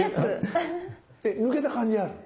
抜けた感じある？